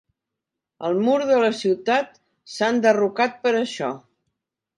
El mur de la ciutat s'ha enderrocat per això.